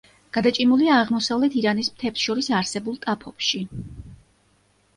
გადაჭიმულია აღმოსავლეთ ირანის მთებს შორის არსებულ ტაფობში.